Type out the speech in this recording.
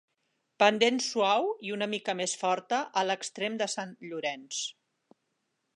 Pendent suau i una mica més forta a l'extrem de Sant Llorenç.